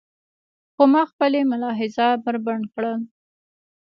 خو ما خپلې ملاحظات بربنډ کړل.